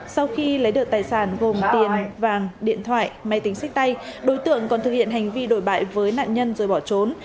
sau khi lấy được tài sản gồm tiền vàng điện thoại máy tính sách tay đối tượng còn thực hiện hành vi đổi bại với nạn nhân rồi bỏ trốn